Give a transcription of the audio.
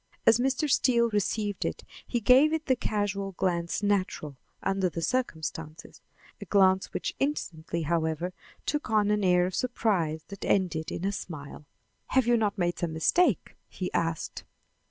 As Mr. Steele received it he gave it the casual glance natural under the circumstances, a glance which instantly, however, took on an air of surprise that ended in a smile. "Have you not made some mistake?" he asked.